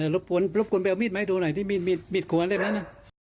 รบพวนรบควรไปเอามิดไม่ดูหน่อยที่มีมิดควรอะไรแบบนั้น